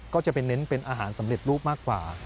ก็จะไปเน้นเป็นอาหารสำเร็จรูปมากกว่า